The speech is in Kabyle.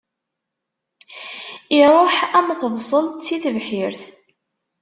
Iṛuḥ am tebṣelt si tebḥirt.